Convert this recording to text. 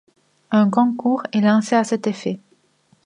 Un concours est lancé à cet effet.